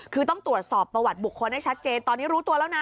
คือต้องตรวจสอบประวัติบุคคลให้ชัดเจนตอนนี้รู้ตัวแล้วนะ